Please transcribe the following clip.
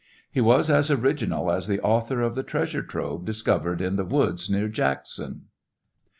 He was as original as the author of the treasure trove discovered in the woods near Jackson.